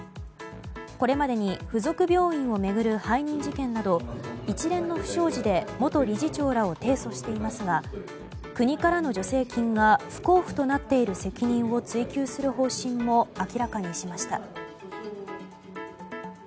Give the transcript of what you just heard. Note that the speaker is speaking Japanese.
これまでに附属病院を巡る背任事件など一連の不祥事で元理事長らを提訴していますが国からの助成金が不交付となっている責任を追及する方針も明らかにしました。